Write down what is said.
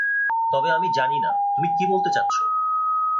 তবে আমি জানি না, তুমি কি বলতে চাচ্ছো?